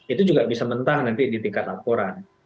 itu juga bisa mentah nanti di tingkat laporan